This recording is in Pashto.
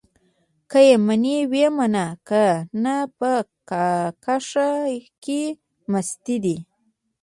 که يې منې ويې منه؛ که نه په کاکښه کې مستې دي.